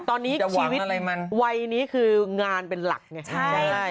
ตอนนี้ชีวิตวัยนี้คืองานเป็นหลักไง